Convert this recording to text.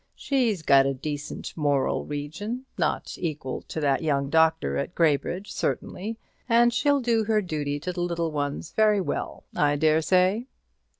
She's got a very decent moral region not equal to that young doctor at Graybridge, certainly and she'll do her duty to the little ones very well, I dare say."